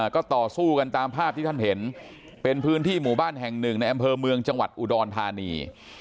ก็ต่อสู้กันตามภาพที่ท่านเห็นเป็นพื้นที่หมู่บ้านแห่งหนึ่งในอำเภอเมืองจังหวัดอุดรธานี